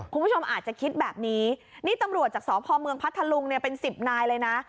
คุณผู้ชมอาจจะคิดแบบนี้นี่ตำรวจจากสพเมืองพัทธลุงเนี่ยเป็นสิบนายเลยนะ